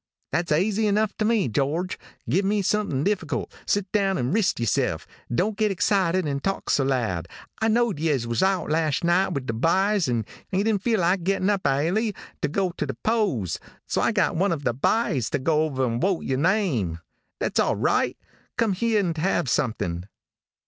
"'That's aizy enough to me, George. Give me something difficult. Sit down and rist yoursilf. Don't get excited and talk so loud. I know'd yez was out lasht night wid the byes and you didn't feel like gettin' up airly to go to the polls, so I got wan av the byes to go over and wote your name. That's all roight, come here 'nd have someding.'